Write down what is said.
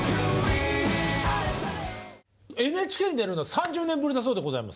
ＮＨＫに出るのは３０年ぶりだそうでございます。